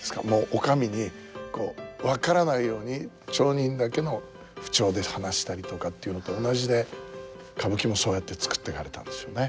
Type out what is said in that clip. お上にこう分からないように町人だけの口調で話したりとかっていうのと同じで歌舞伎もそうやって作っていかれたんですよね。